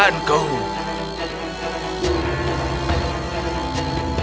pengecut kau tidak keras